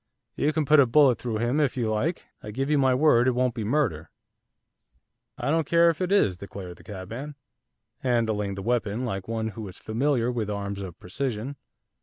You can put a bullet through him if you like, I give you my word it won't be murder.' 'I don't care if it is,' declared the cabman, handling the weapon like one who was familiar with arms of precision.